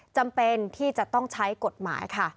จำเป็นที่จะต้องใช้กฎหมายค่ะ